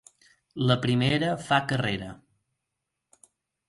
La primera fa carrera.